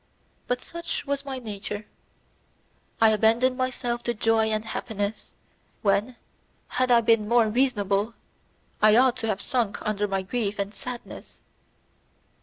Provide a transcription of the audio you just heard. But such was my nature; I abandoned myself to joy and happiness, when, had I been more reasonable, I ought to have sunk under my grief and sadness.